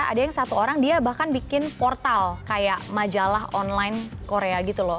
ada yang satu orang dia bahkan bikin portal kayak majalah online korea gitu loh